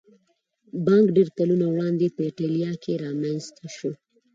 بانک ډېر کلونه وړاندې په ایټالیا کې رامنځته شو